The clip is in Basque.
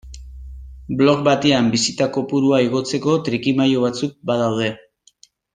Blog batean bisita kopurua igotzeko trikimailu batzuk badaude.